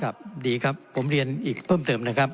ดีครับผมเรียนอีกเพิ่มเติมนะครับ